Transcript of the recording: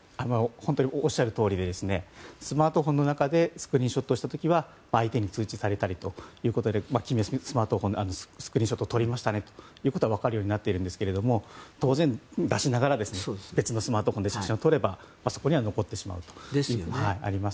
おっしゃるとおりでスマートフォンの中でスクリーンショットした時は相手に通知されたりということでスクリーンショットを撮りましたねということは分かるようになっているんですけれども当然、出しながら別のスマートフォンで写真を撮ればそこには残ってしまうというのがあります。